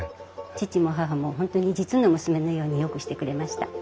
義父も義母も本当に実の娘のようによくしてくれました。